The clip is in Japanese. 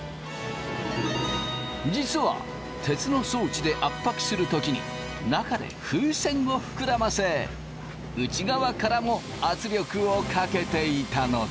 実は鉄の装置で圧迫する時に中で風船を膨らませ内側からも圧力をかけていたのだ。